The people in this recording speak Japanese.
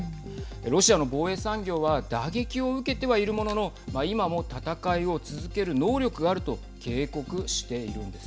ロシアの防衛産業は打撃を受けてはいるものの今も戦いを続ける能力があると警告しているんです。